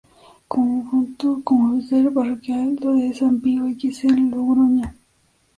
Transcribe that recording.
Continuó como vicario parroquial de San Pío X en Logroño.